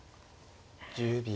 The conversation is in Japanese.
１０秒。